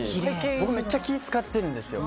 僕めっちゃ気を使ってるんですよ。